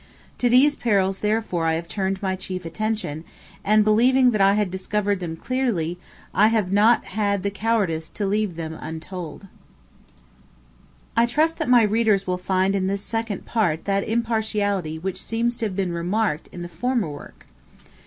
To those perils therefore I have turned my chief attention, and believing that I had discovered them clearly, I have not had the cowardice to leave them untold. I trust that my readers will find in this Second Part that impartiality which seems to have been remarked in the former work.